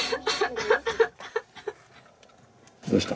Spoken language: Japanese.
どうした？